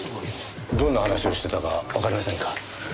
どんな話をしてたかわかりませんか？